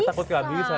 takut gak bisa